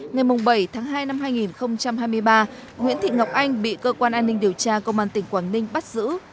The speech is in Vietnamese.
ngày bảy tháng hai năm hai nghìn hai mươi ba nguyễn thị ngọc anh bị cơ quan an ninh điều tra công an tỉnh quảng ninh bắt giữ